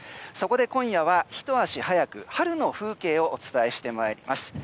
そこで今夜は、ひと足早く春の風景をお伝えしてまいります。